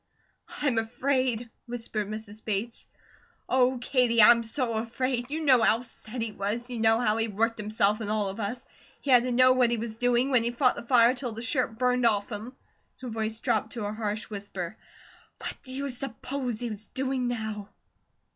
"I'm afraid!" whispered Mrs. Bates. "Oh, Katie, I'm so afraid. You know how SET he was, you know how he worked himself and all of us he had to know what he was doing, when he fought the fire till the shirt burned off him" her voice dropped to a harsh whisper "what do you s'pose he's doing now?"